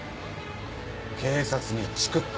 警察にチクった。